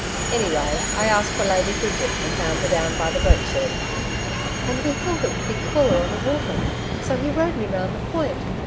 Anyway, I asked for Lady Bridget, and found her down by the boat shed.' 'And we thought it would be cooler on the water, so he rowed me round the point.